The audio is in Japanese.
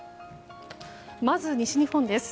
まず西日本です。